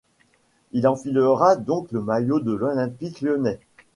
Il enfilera donc le maillot de l'Olympique lyonnais.